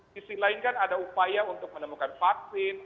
sisi lain kan ada upaya untuk menemukan vaksin